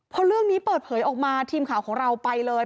พอเรื่องนี้เปิดเผยออกมาทีมข่าวของเราไปเลย